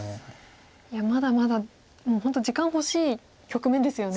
いやまだまだもう本当時間欲しい局面ですよね。